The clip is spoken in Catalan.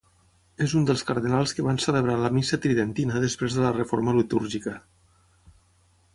És un dels cardenals que van celebrar la missa tridentina després de la reforma litúrgica.